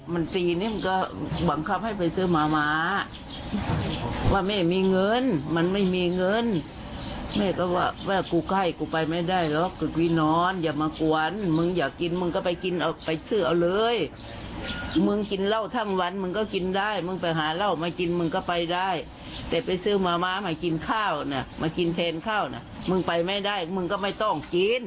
มันตีนี่มึงก็บังคับให้ไปซื้อหมาม้าว่าแม่มีเงินมันไม่มีเงินแม่ก็ว่ากูให้กูไปไม่ได้หรอกตึกวีนอนอย่ามากวนมึงอยากกินมึงก็ไปกินเอาไปซื้อเอาเลยมึงกินเหล้าทั้งวันมึงก็กินได้มึงไปหาเหล้ามากินมึงก็ไปได้แต่ไปซื้อหมาม้ามากินข้าวนะมากินแทนข้าวนะมึงไปไม่ได้มึงก็ไม่ต้องกิน